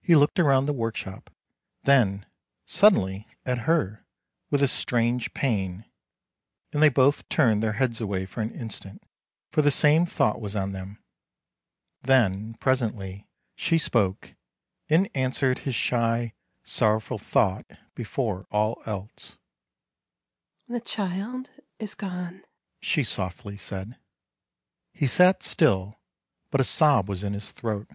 He looked around the workshop, then, suddenly, at her, with a strange pain, and they both turned their heads away for an instant, for the same thought was on them. Then, presently, she spoke, and answered his shy, sor rowful thought before all else. " The child is gone," she softly said. He sat still, but a sob was in his throat.